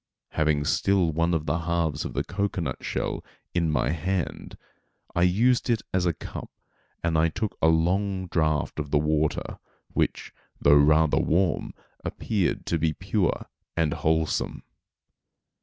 Having still one of the halves of the cocoanut shell in my hand, I used it as a cup and took a long draught of the water, which, though rather warm, appeared to be pure and wholesome.